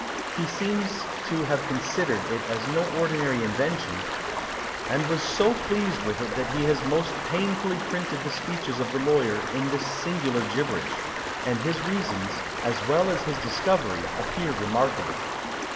He seems to have considered it as no ordinary invention, and was so pleased with it that he has most painfully printed the speeches of the lawyer in this singular gibberish; and his reasons, as well as his discovery, appear remarkable.